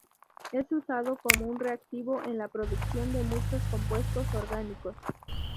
Es usado como un reactivo en la producción de muchos compuestos orgánicos.